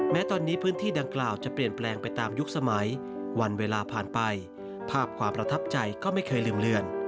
แม้ตอนนี้พื้นที่ดังกล่าวจะเปลี่ยนแปลงไปตามยุคสมัยวันเวลาผ่านไปภาพความประทับใจก็ไม่เคยลืมเลือน